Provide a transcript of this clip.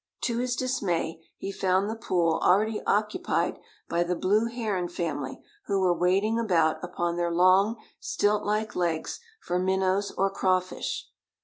To his dismay he found the pool already occupied by the blue heron family who were wading about upon their long, stilt like legs for minnows or crawfish.